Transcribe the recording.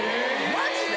マジで？